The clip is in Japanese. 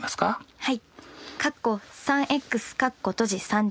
はい。